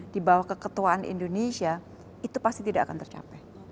di bawah keketuaan indonesia itu pasti tidak akan tercapai